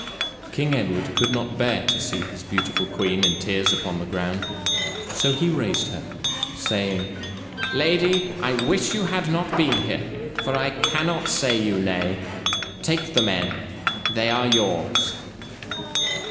King Edward could not bear to see his beautiful queen in tears upon the ground, so he raised her, saying: "Lady, I wish you had not been here, for I cannot say you nay. Take the men, they are yours."